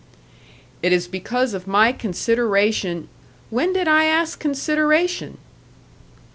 "It is because of my consideration " "When did I ask consideration?"